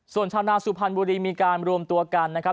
ส่วนชาวนาสุพรรณบุรีมีการรวมตัวกันนะครับ